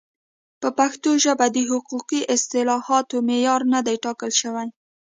په پښتو ژبه د حقوقي اصطلاحاتو معیار نه دی ټاکل شوی.